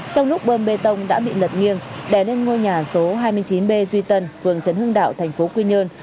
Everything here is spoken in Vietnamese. trong lúc bơm bê tông đã bị lật nghiêng đè lên ngôi nhà số hai mươi chín b duy tân phường trần hưng đạo thành phố quy nhơn